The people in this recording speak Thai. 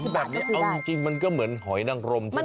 ละ๒๐บาทก็ซื้อได้ออกจริงมันก็เหมือนหอยนังรมใช่ไหม